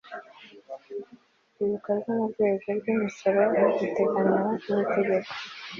ibikorwa mu rwego rw imisoro biteganywa n itegeko